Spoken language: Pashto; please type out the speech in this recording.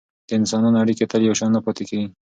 د انسانانو اړیکې تل یو شان نه پاتې کیږي.